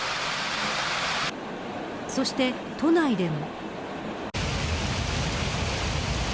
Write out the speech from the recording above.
そして、都内でも。